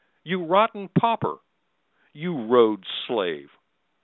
You rotten pauper! You Rhodes' slave!